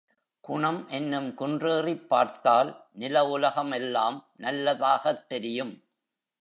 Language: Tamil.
குணம் என்னும் குன்றேறிப் பார்த்தால் நில உலகம் எல்லாம் நல்லதாகத் தெரியும்.